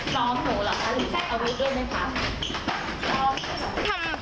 ลองหนูเหรอค่ะนี่แกเอาไว้ด้วยมั้ยคะ